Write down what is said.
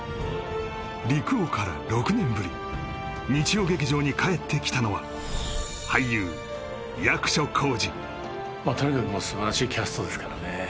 「陸王」から６年ぶり日曜劇場に帰ってきたのは俳優とにかくすばらしいキャストですからね